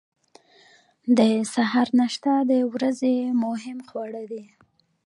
د سهار ناشته د ورځې مهم خواړه دي.